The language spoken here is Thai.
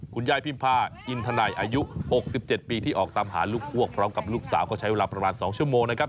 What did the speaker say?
คุณยายพิมพาอินทนัยอายุ๖๗ปีที่ออกตามหาลูกอ้วกพร้อมกับลูกสาวก็ใช้เวลาประมาณ๒ชั่วโมงนะครับ